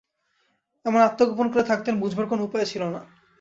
এমন আত্মগোপন করে থাকতেন, বুঝবার কোনো উপায় ছিল না।